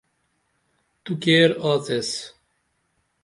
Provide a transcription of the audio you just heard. تو کیر آڅیس؟